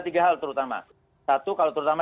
tiga hal terutama satu kalau terutama